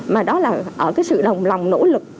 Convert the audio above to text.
mà đó là ở cái sự đồng lòng nỗ lực